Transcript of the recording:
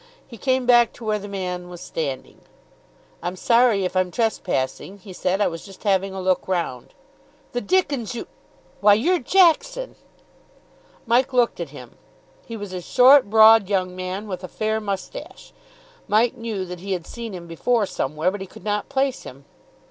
He came back to where the man was standing. "I'm sorry if I'm trespassing," he said. "I was just having a look round." "The dickens you Why, you're Jackson!" Mike looked at him. He was a short, broad young man with a fair moustache. Mike knew that he had seen him before somewhere, but he could not place him.